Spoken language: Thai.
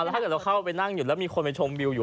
ถ้าเกิดเราเข้าไปนั่งอยู่แล้วมีคนไปชมวิวอยู่